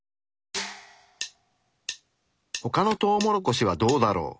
ほかのトウモロコシはどうだろう？